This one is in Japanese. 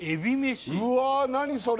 うわー何それ？